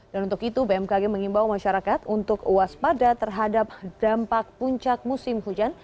dan untuk itu bmkg mengimbau masyarakat untuk waspada terhadap dampak puncak musim hujan